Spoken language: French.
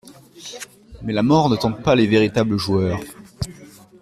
Mais la mort ne tente pas les véritables joueurs.